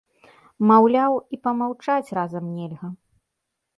Маўляў, і памаўчаць разам нельга.